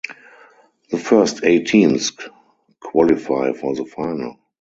The first eight teams qualify for the final.